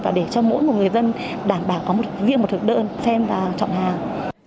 và để cho mỗi một người dân đảm bảo có riêng một thực đơn xem và chọn hàng